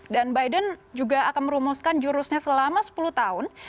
dan biden juga akan merumuskan jurusnya selama sepuluh tahun